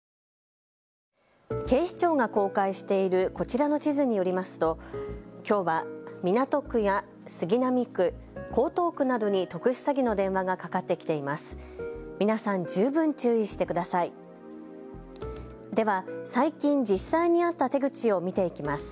警視庁が公開しているこちらの地図によりますときょうは港区や杉並区、江東区などに特殊詐欺の電話がかかってきています。